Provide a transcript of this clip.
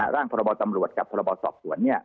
ร่างพรบตำรวจกับพรบสอบสวน